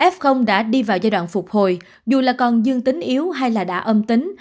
f đã đi vào giai đoạn phục hồi dù là còn dương tính yếu hay là đã âm tính